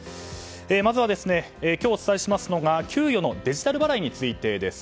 まずは、今日お伝えしますのが給与のデジタル払いについてです。